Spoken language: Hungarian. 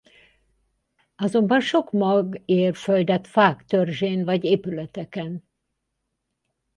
Azonban sok mag ér földet fák törzsén vagy épületeken.